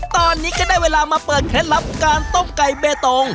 ตอนนี้ก็ได้เวลามาเปิดเคล็ดลับการต้มไก่เบตง